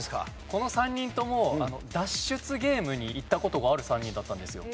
この３人とも脱出ゲームに行った事がある３人だったんですよ。